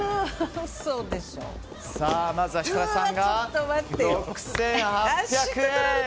まずは設楽さん、６８００円。